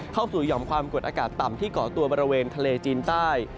หย่อมความกดอากาศต่ำที่เกาะตัวบริเวณทะเลจีนใต้